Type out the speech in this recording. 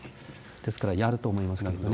ですからやると思いますけれどもね。